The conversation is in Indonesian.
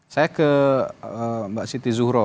saya ke mbak siti zuhro